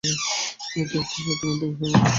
এটি একটি ঐকান্তিক সেবা।